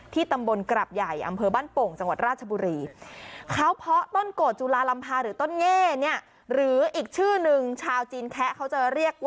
ตำบลกรับใหญ่อำเภอบ้านโป่งจังหวัดราชบุรี